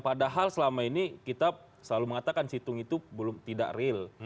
padahal selama ini kita selalu mengatakan situng itu belum tidak real